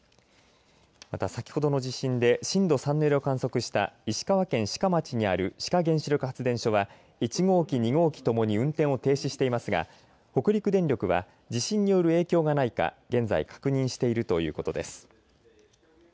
また先ほどの地震で震度３の揺れを観測した石川県しか町にある志賀原子力発電所は１号機２号機ともに運転を停止していますが北陸電力は地震による影響がないか現在確認しているということです。